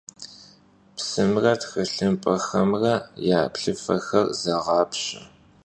Psımre txılhımp'exemre ya plhıfexer zeğapşe.